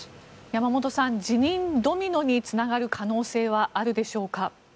山本さん辞任ドミノにつながる可能性はあるでしょうか。